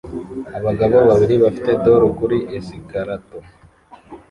Abagabo babiri bafite dolly kuri escalator